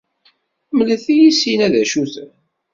Mlet-iyi sin-a d acuten!